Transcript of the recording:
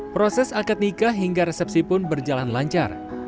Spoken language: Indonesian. proses akad nikah hingga resepsi pun berjalan lancar